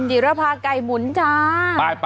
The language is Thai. จิรภาไก่หมุนจ้า